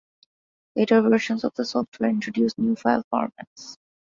Later versions of the software introduced new file formats.